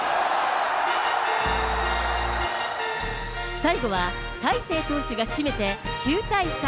最後は大勢投手が締めて９対３。